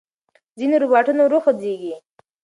ځینې روباټونه ورو خوځېږي.